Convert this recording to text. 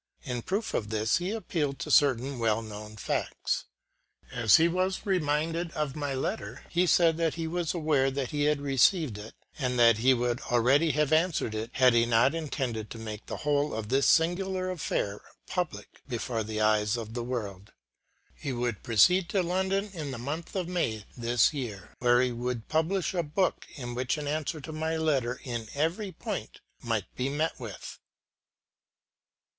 In proof of this he appealed to certain well known facts. As he was reminded of my letter, he said that he was aware that he had received it, and that he would already have answered it had he not intended to make the whole of this singular affair public before the eyes of the world. He would proceed to London in the month of May this year, where he would publish a book in which an answer to my letter in every point might be met with.